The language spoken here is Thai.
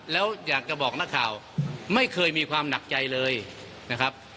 แล้วอยากจะบอกนักข่าวไม่เคยมีความหนักใจเลยนะครับ